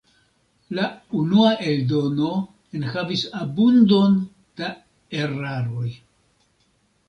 La unua eldono enhavis abundon da eraroj.